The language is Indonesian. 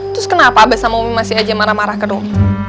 terus kenapa abah sama om masih aja marah marah ke dong